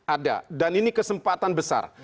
ada dan ini kesempatan besar